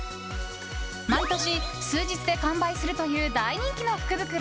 毎年、数日で完売するという大人気の福袋。